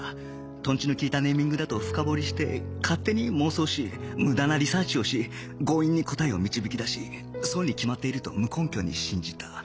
とんちの利いたネーミングだと深掘りして勝手に妄想し無駄なリサーチをし強引に答えを導き出しそうに決まっていると無根拠に信じた